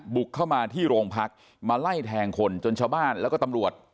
บุกเข้ามาที่โรงพักมาไล่แทงคนจนชาวบ้านแล้วก็ตำรวจ